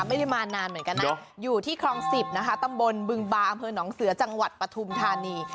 ไม่ได้มานานเหมือนกันนะอยู่ที่คลอง๑๐นะคะตำบลบึงบาอำเภอหนองเสือจังหวัดปฐุมธานี